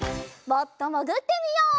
もっともぐってみよう。